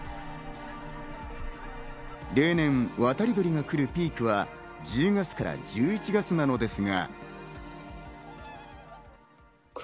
例年、渡り鳥が来るピークは１０月から１１月なのですが。